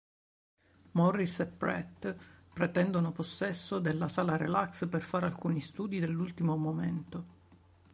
Morris e Pratt prendono possesso della sala relax per fare alcuni studi dell'ultimo momento.